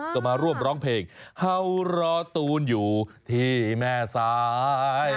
ก็มาร่วมร้องเพลงเฮารอตูนอยู่ที่แม่ซ้าย